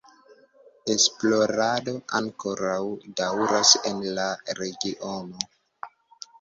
Esplorado ankoraŭ daŭras en la regiono.